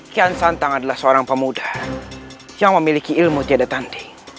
kian santang adalah seorang pemuda yang memiliki ilmu tiada tanti